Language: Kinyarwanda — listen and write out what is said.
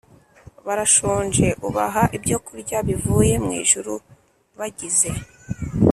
Barashonje ubaha ibyokurya bivuye mu ijuru bagize